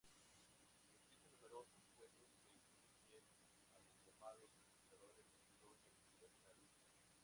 Existen numerosos juegos que incluyen a los llamados conquistadores de la historia universal.